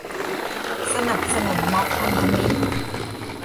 สนับสนุนม็อบพันธมิตร